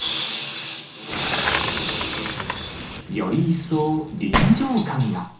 より一層、臨場感が。